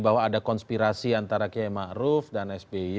bahwa ada konspirasi antara kmh ruf dan sby